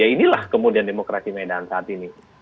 ya inilah kemudian demokrasi medan saat ini